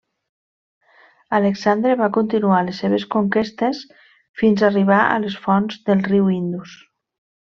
Alexandre va continuar les seves conquestes fins a arribar a les fonts del riu Indus.